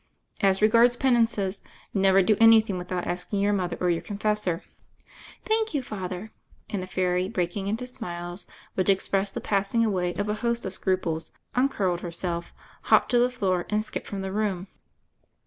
As regards penances, never do anything without asking your mother or your confessor." "Thank you. Father," and the Fairy, break ing into smiles which expressed the passmg away of a host of scruples, uncurled herself, hopped to the floor, and skipped from the room.